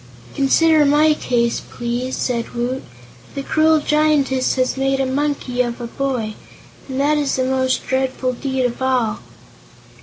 "Consider my case, please," said Woot. "The cruel Giantess has made a Monkey of a Boy, and that is the most dreadful deed of all!"